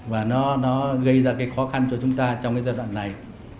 và nó gây ra khó khăn cho chúng ta trong giai đoạn này